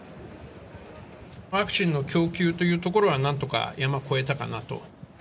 ワクチンの供給というところは、なんとか山越えたかなと。